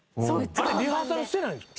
リハーサルしてないんですか？